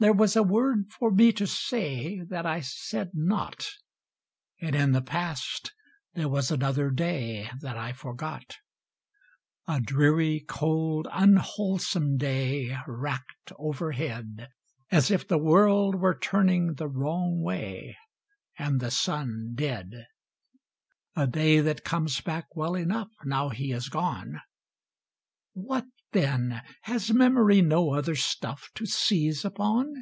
There was a word for me to say That I said not; And in the past there was another day That I forgot: |80| A dreary, cold, unwholesome day, Racked overhead, — As if the world were turning the wrong way, And the «m dead: A day that comes back well enough Now he is gone. What then? Has memory no other stuff To seize upon?